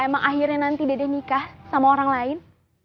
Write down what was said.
emang akhirnya nanti dede nikah sama orang lain